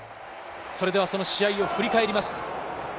それではその試合を振り返ります。